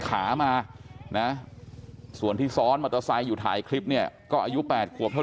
ขามานะส่วนที่ซ้อนมอเตอร์ไซค์อยู่ถ่ายคลิปเนี่ยก็อายุ๘ขวบเท่า